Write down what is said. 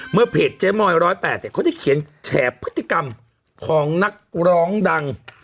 เพจเจ๊มอย๑๐๘เขาได้เขียนแฉพฤติกรรมของนักร้องดัง